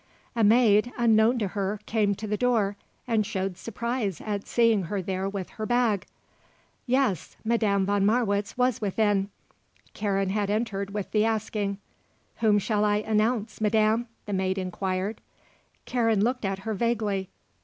A maid, unknown to her, came to the door and showed surprise at seeing her there with her bag. Yes; Madame von Marwitz was within. Karen had entered with the asking. "Whom shall I announce, Madam?" the maid inquired. Karen looked at her vaguely.